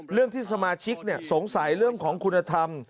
เรื่องที่สมาชิกสงสัยเรื่องของคุณธรรม